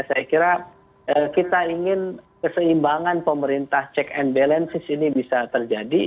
saya kira kita ingin keseimbangan pemerintah check and balances ini bisa terjadi